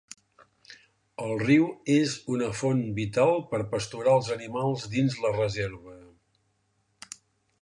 El riu és una font vital per pasturar els animals dins la reserva.